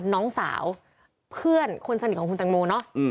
น้องสาวเพื่อนคนสนิทของคุณแตงโมเนาะ